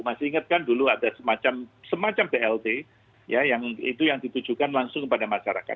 masih ingat kan dulu ada semacam blt ya itu yang ditujukan langsung kepada masyarakat